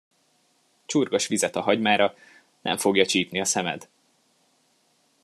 Csurgass vizet a hagymára, nem fogja csípni a szemed!